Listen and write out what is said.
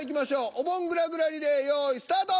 お盆ぐらぐらリレー用意スタート！